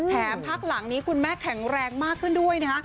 พักหลังนี้คุณแม่แข็งแรงมากขึ้นด้วยนะฮะ